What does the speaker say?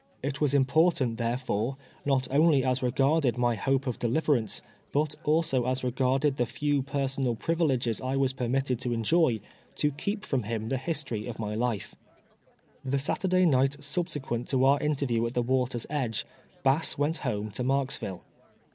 It M as important, therefore, not only as regarded my hope of deliverance, but also as regard ed the few personal priviliges I was permitted to en joy, to keep from Lim the history of my life. LETTER TO PEERY AND PARKER. " 275 Tlie Saturday night subsequent to our interview at the water's edge, Bass went home to Marksville.